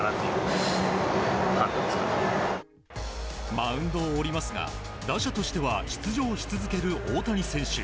マウンドを降りますが打者としては出場し続ける大谷選手。